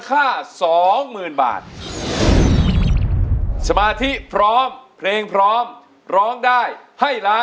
เขาก็ไม่ใช้ทำไงคะน้องอยากรู้